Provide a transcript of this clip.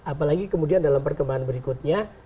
apalagi kemudian dalam perkembangan berikutnya